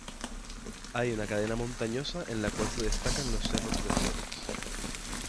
Hay una cadena montañosa en la cual se destacan los cerros de flores.